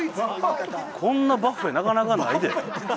こんなバッフェなかなかないで。